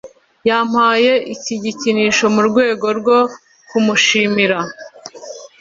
Yampaye iki gikinisho mu rwego rwo kumushimira.